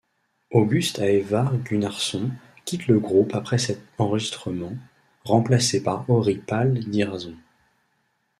Agust Ævar Gunnarsson quitte le groupe après cet enregistrement, remplacé par Orri Páll Dýrason.